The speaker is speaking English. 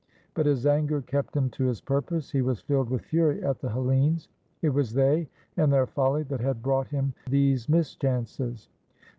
But his anger kept him to his purpose. He was filled with fury at the Hellenes. It was they and their folly that had brought him these mischances.